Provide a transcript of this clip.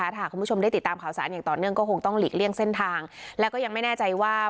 ถ้าคุณผู้ชมได้ติดตามข่าวสารอย่างต่อเนื่องก็คงต้องหลีกเลี่ยงเส้นทางแล้วก็ยังไม่แน่ใจว่า